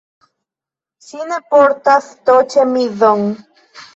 Ŝi ne portas to-ĉemizon